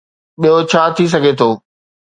ٻيو ڇا ٿي سگهي ٿو؟